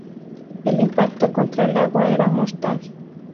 El impacto contra el agua era mortal.